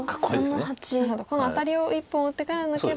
このアタリを１本打ってから抜けば。